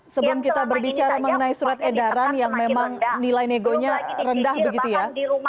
sebelum kita berbicara mengenai surat edaran yang memang nilai negonya rendah begitu ya